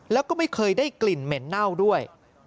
แล้วก็ไม่เคยได้กลิ่นเหม็นเน่าด้วย